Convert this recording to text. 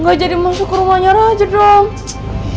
gak jadi masuk ke rumahnya raja dah